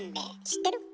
知ってる？